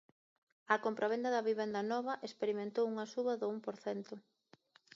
A compravenda de vivenda nova experimentou unha suba do un por cento.